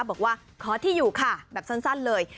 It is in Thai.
บอกว่าขอที่อยู่ค่ะแบบสั้นเลย